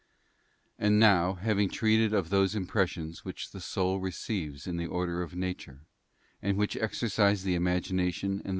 AND now having treated of those impressions which the soul receives in the order of nature, and which exercise the imagination and